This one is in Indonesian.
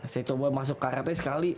saya coba masuk karate sekali